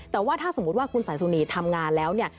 แต่ว่าถ้าสมมุติว่าคุณแสนสุนีทำงานแล้วเนี่ย